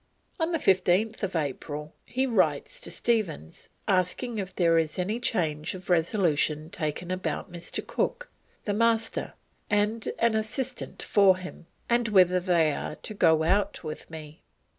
On 15th April he writes to Stephens asking if there was "any change of resolution taken about Mr. Cook, the Master, and an assistant for him, and whether they are to go out with me?"